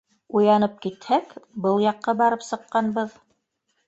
Уянып китһәк — был яҡҡа барып сыҡҡанбыҙ.